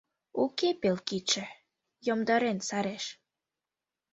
Уке пел кидше, йомдарен сареш.